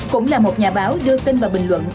cũng là một nhà báo đưa tin vào bình luận